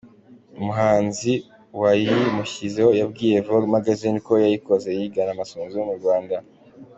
Umuhanzi wayimushyizeho yabwiye Vogue magazine ko yayikoze yigana amasunzu yo mu Rwanda.